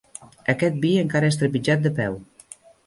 Aquest vi encara és trepitjat de peu.